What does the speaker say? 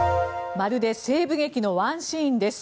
まるで西部劇のワンシーンです。